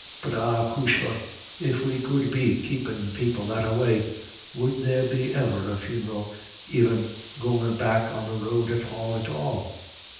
But ah, acushla, if we could be keepin' people that a way, would there be e'er a funeral iver goin' black on the road at all at all?